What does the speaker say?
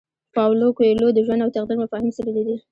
پاولو کویلیو د ژوند او تقدیر مفاهیم څیړلي دي.